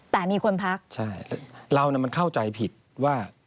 แต่มีคนพักใช่เรามันเข้าใจผิดว่า